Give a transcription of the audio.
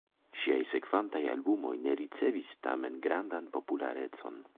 Ŝiaj sekvantaj albumoj ne ricevis tamen grandan popularecon.